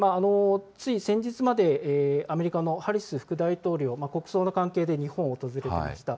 つい先日まで、アメリカのハリス副大統領、国葬の関係で日本を訪れていました。